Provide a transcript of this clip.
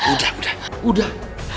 udah udah udah